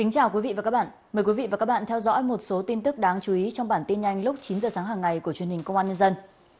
chào mừng quý vị đến với bản tin nhanh lúc chín h sáng hàng ngày của chương trình công an nhân dân